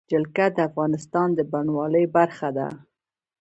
جلګه د افغانستان د بڼوالۍ برخه ده.